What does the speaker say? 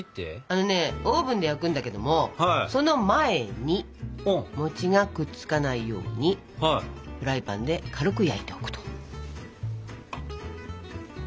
あのねオーブンで焼くんだけどもその前にがくっつかないようにフライパンで軽く焼いておくと。